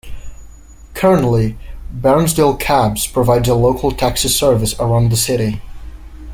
Currently, Bairnsdale Cabs provides a local taxi service around the city.